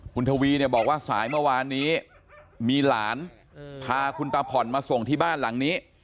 คุณทวีเนี่ยบอกว่าสายเมื่อวานนี้มีหลานพาคุณตาผ่อนมาส่งที่บ้านหลังนี้